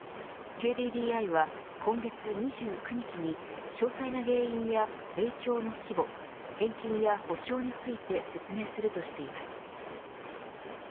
ＫＤＤＩは今月２９日に詳細な原因や影響の規模返金や補償について説明するとしています。